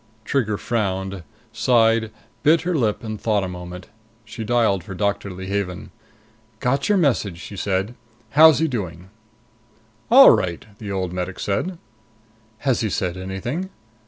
Trigger frowned, sighed, bit her lip and thought a moment. She dialed for Doctor Leehaven. "Got your message," she said. "How's he doing?" "All right," the old medic said. "Has he said anything?"